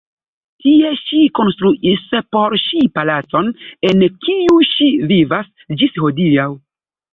Tie ŝi konstruis por si palacon, en kiu ŝi vivas ĝis hodiaŭ.